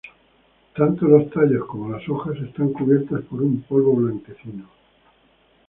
Tanto los tallos como las hojas están cubiertas por un polvo blanquecino.